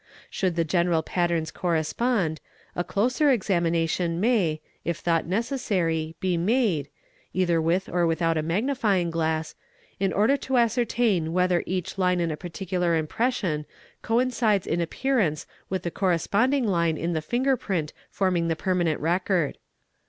Should the general patterns correspond, a closer examination may, if thought neces sary, be made (either with or without a magnifying glass) in order to ascertain whether each line in a particular impression coincides in appearance with the corresponding line in the finger print forming the permanent record.